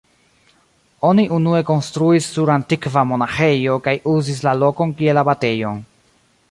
Oni unue konstruis sur antikva monaĥejo kaj uzis la lokon kiel abatejon.